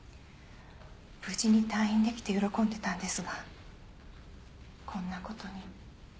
無事に退院できて喜んでたんですがこんなことに。